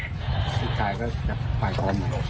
ลูกชายก็ไปพร้อม